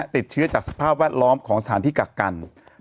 ติดเชื้อจากสภาพแวดล้อมของสถานที่กักกัน